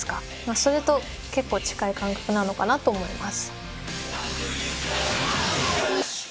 それと結構近い感覚なのかなと思います。